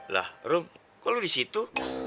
lah rum kok lo disitu